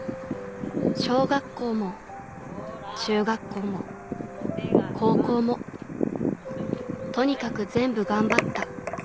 小学校も中学校も高校もとにかく全部頑張った